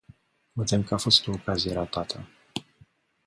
Mă tem că a fost o ocazie ratată.